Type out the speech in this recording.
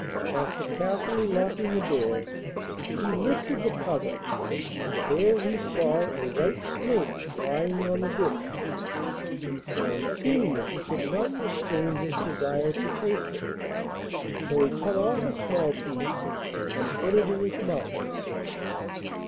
After carefully locking the door, he lifted the cover, and there he saw a white snake lying on the dish. On seeing it he could not restrain his desire to taste it, so he cut off a small piece and put it in his mouth.